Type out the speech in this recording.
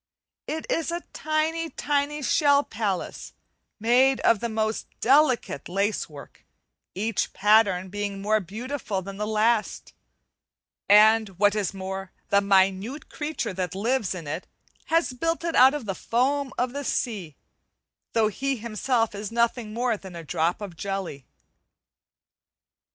It is a tiny, tiny shell palace made of the most delicate lacework, each pattern being more beautiful than the last; and what is more, the minute creature that lives in it has built it out of the foam of the sea, though he himself is nothing more than a drop of jelly.